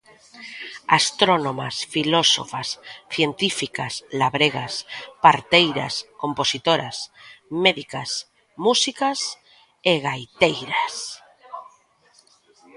Astrónomas, filósofas, científicas, labregas, parteiras, compositoras, médicas, músicas... e gaiteiras!